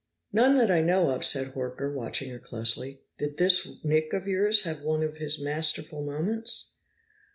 "None that I know of," said Horker, watching her closely. "Did this Nick of yours have one of his masterful moments?"